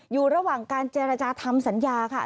อยู่ระหว่างการเจรจาทำสัญญาค่ะ